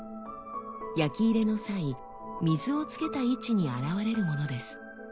焼き入れの際水をつけた位置に現れるものです。